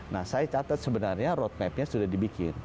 nah saya catat sebenarnya roadmap nya sudah dibikin